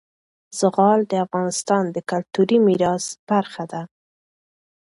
زغال د افغانستان د کلتوري میراث برخه ده.